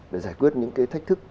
để giải quyết những cái thách thức